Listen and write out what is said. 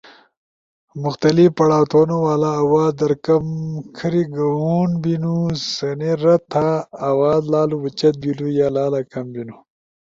مختلف پڑھاؤ تھونُو والا آواز در کم کھری گہون بیِنُو۔ سنے رد تھا آواز لالو اُوچت بیلو یا لالا کم بینُو۔